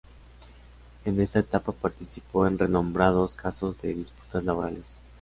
En esta etapa participó en renombrados casos de disputas laborales.